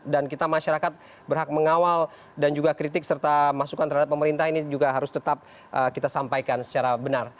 dan kita masyarakat berhak mengawal dan juga kritik serta masukan terhadap pemerintah ini juga harus tetap kita sampaikan secara benar